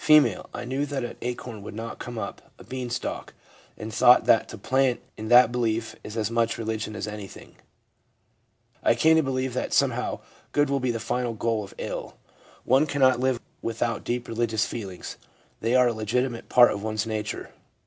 I knew that an acorn would not come up 286 THE PSYCHOLOGY OF RELIGION a beanstalk, and thought that to plant in that belief is as much religion as anything. I came to believe that " somehow good will be the final goal of ill." One cannot live without deep religious feelings ; they are a legitimate part of one's nature/ F.